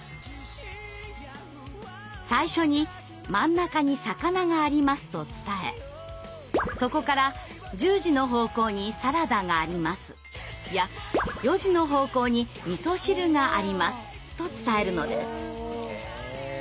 最初に「真ん中に魚があります」と伝えそこから「１０時の方向にサラダがあります」や「４時の方向にみそ汁があります」と伝えるのです。